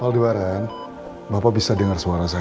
aldiwaran bapak bisa dengar suara saya